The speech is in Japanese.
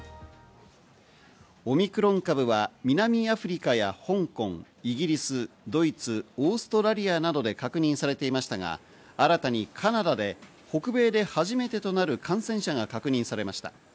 オミクロン株は南アフリカや香港、イギリス、ドイツ、オーストラリアなどで確認されていましたが、新たにカナダで北米で初めてとなる感染者が確認されました。